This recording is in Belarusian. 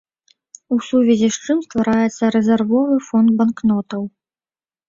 У сувязі з чым ствараецца рэзервовы фонд банкнотаў.